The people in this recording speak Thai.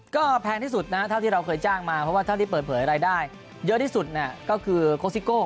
ก็แพงที่สุดนะเท่าที่เราเคยจ้างมาเพราะว่าเท่าที่เปิดเผยรายได้เยอะที่สุดเนี่ยก็คือโคสิโก้